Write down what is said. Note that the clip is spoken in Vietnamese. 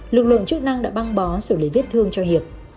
lực lượng chức năng đã băng bó xử lý vết thương cho hiệp